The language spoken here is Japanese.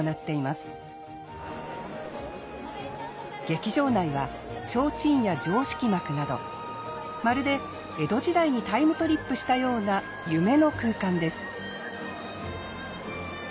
劇場内は提灯や定式幕などまるで江戸時代にタイムトリップしたような夢の空間です。